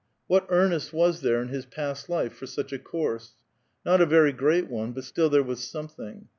What earnest was there in his past life for such a course ? Not a very great one, but still there was something.